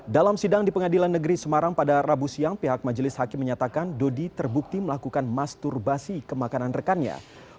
dalam sidang di pengadilan negeri semarang pada rabu siang pihak majelis hakim menyatakan dodi terbukti melakukan masturbasi ke makanan rekannya